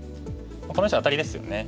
この石アタリですよね。